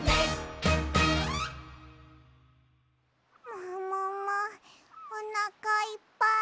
もももおなかいっぱい。